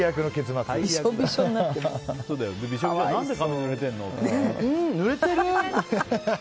ぬれてる？